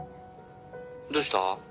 どうした？